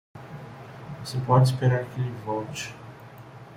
Você pode esperar que ele volte.